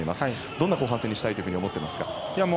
どんな後半戦にしたいと思っていますか？